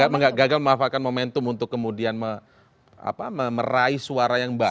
gagal memanfaatkan momentum untuk kemudian meraih suara yang baik